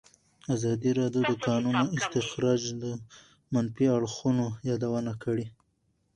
ازادي راډیو د د کانونو استخراج د منفي اړخونو یادونه کړې.